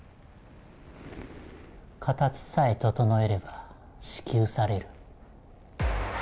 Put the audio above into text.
形さえ整えれば、支給される。